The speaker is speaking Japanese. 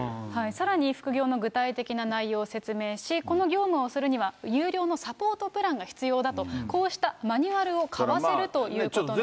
さらに副業の具体的な内容を説明し、この業務をするには、有料のサポートプランが必要だと、こうしたマニュアルを買わせるということなんですね。